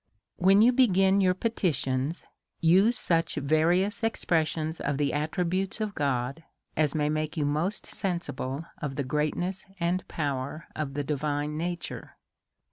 When you begin your petitions, use such various expressions of the attributes of God as may make you most sensible of the greatness and power of the divine \ nature.